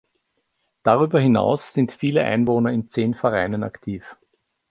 Darüber hinaus sind viele Einwohner in zehn Vereinen aktiv.